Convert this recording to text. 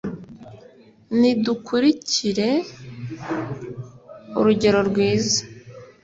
nidukulikire urugero rwiza